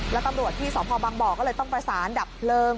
แล้วตำรวจที่สพบังบ่อก็เลยต้องประสานดับเพลิง